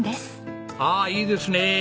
ああいいですね。